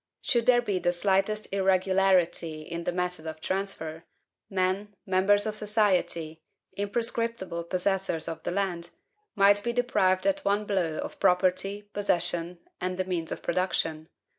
Should there be the slightest irregularity in the method of transfer, men, members of society, imprescriptible possessors of the land, might be deprived at one blow of property, possession, and the means of production.